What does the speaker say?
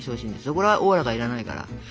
これはおおらか要らないから。